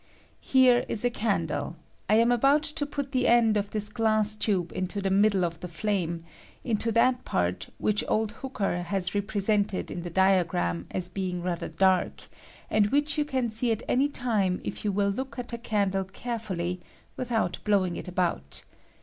Here is a can dle ; I am about to put the end of this glass tube into the middle of the flame — into that part which old Hooker has represented in the diagram as being rather dark, and ■which you can see at any time if you wiH look at a candle carefully, without blowing it about.